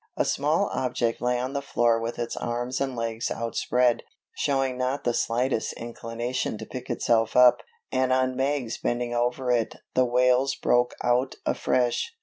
A small object lay on the floor with its arms and legs outspread, showing not the slightest inclination to pick itself up, and on Meg's bending over it the wails broke out afresh.